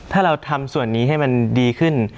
ถ้าเราทำส่วนนี้ให้มันดีขึ้น